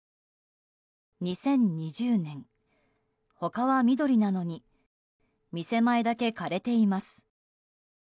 ２０２０年他は緑なのに店前だけ枯れています。